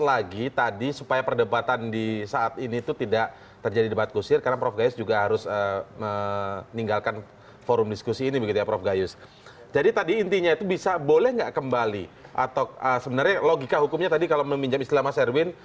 atau sebenarnya logika hukumnya tadi kalau meminjam istilah mas erwin